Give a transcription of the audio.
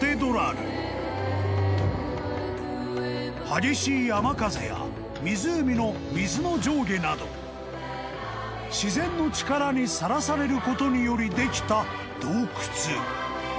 ［激しい雨風や湖の水の上下など自然の力にさらされることによりできた洞窟］